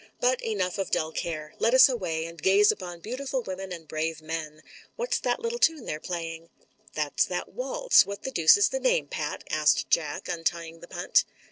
"But enough of dull care. Let us away, and gaze upon beautiful women and brave men. What's that little tune they're playing?" "That's that waltz — ^what the deuce is the name, Pat ?" asked Jack, untying the punt.